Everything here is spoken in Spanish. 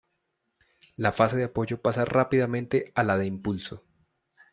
La fase de apoyo pasa rápidamente a la de impulso.